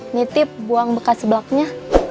nitip buang bekas seblaknya